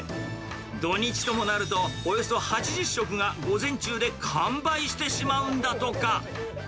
土日ともなると、およそ８０食が午前中で完売してしまうんだとか。